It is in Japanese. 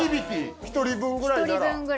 １人分ぐらいなら。